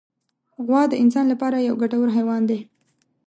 غوا د انسان له پاره یو ګټور حیوان دی.